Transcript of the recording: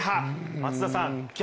松田さん、逆？